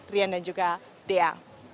rian dan juga dea